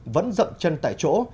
vẫn rậm chân tại chỗ